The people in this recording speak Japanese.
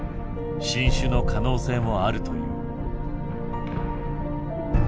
新種の可能性もあるという。